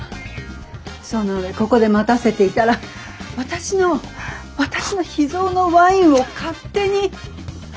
その上ここで待たせていたら私の私の秘蔵のワインを勝手に。